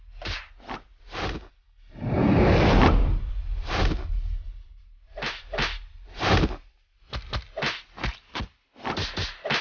tidakkan kuhancurkan mulut besarmu itu